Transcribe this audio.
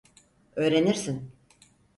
Öğrenirsin.